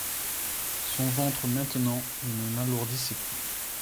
Son ventre maintenant ne l'alourdissait plus.